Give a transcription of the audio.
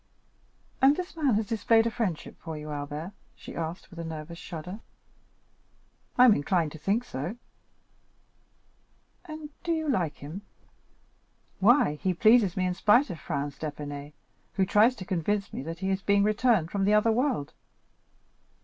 "And has this man displayed a friendship for you, Albert?" she asked with a nervous shudder. "I am inclined to think so." "And—do—you—like—him?" "Why, he pleases me in spite of Franz d'Épinay, who tries to convince me that he is a being returned from the other world."